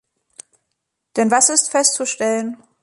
Denn was ist festzustellen?